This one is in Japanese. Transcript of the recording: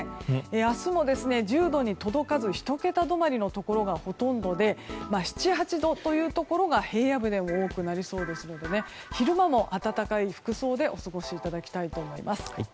明日も１０度に届かず１桁止まりのところがほとんどで７８度というところが平野部でも多くなりそうですので昼間も暖かい服装でお過ごしいただきたいと思います。